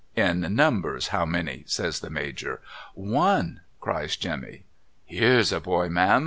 ' In numbers how many ?' says the Major. ' One !' cries Jemmy. (' Hires a boy, Ma'am